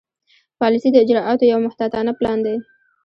پالیسي د اجرااتو یو محتاطانه پلان دی.